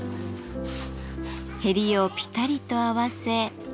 へりをぴたりと合わせ。